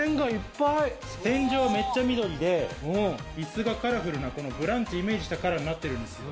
天井めっちゃ緑で椅子がカラフルなこのブランチイメージしたカラーになってるんですよ